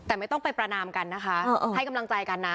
แต่ไม่ต้องไปประนามกันนะคะให้กำลังใจกันนะ